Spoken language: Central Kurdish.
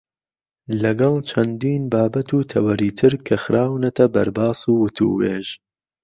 لەگەڵ چەندین بابەت و تەوەری تر کە خراونەتە بەرباس و وتووێژ.